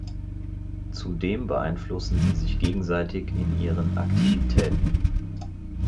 Zudem beeinflussen sie sich gegenseitig in ihren Aktivitäten.